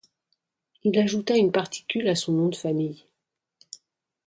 Il ajouta une particule à son nom de famille.